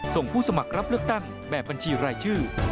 ผู้สมัครรับเลือกตั้งแบบบัญชีรายชื่อ